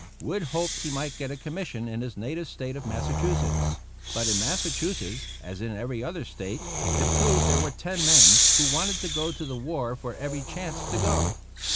Wood hoped he might get a commission in his native State of Massachusetts; but in Massachusetts, as in every other State, it proved there were ten men who wanted to go to the war for every chance to go.